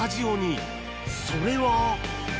それは